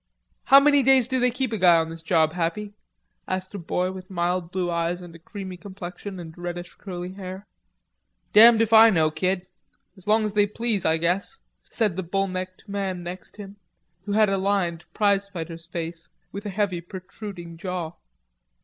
"How many days do they keep a guy on this job, Happy?" asked a boy with mild blue eyes and a creamy complexion, and reddish curly hair. "Damned if I know, kid; as long as they please, I guess," said the bull necked man next him, who had a lined prize fighter's face, with a heavy protruding jaw.